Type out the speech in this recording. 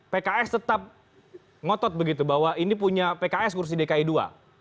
pks tetap ngotot begitu bahwa ini punya pks kursi dki dua